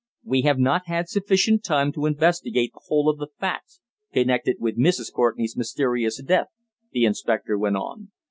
"We have not had sufficient time to investigate the whole of the facts connected with Mrs. Courtenay's mysterious death," the inspector went on.